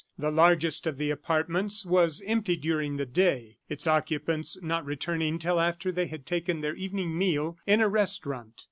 The largest of the apartments was empty during the day, its occupants not returning till after they had taken their evening meal in a restaurant.